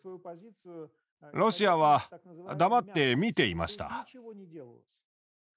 ロシアは黙って見ていました。